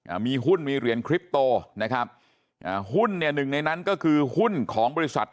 อ่ามีหุ้นมีเหรียญคลิปโตนะครับอ่าหุ้นเนี่ยหนึ่งในนั้นก็คือหุ้นของบริษัท